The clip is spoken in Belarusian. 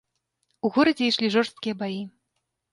У горадзе ішлі жорсткія баі.